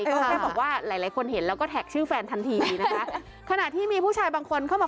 ก็แค่บอกว่าหลายหลายคนเห็นแล้วก็แท็กชื่อแฟนทันทีนะคะขณะที่มีผู้ชายบางคนเข้ามา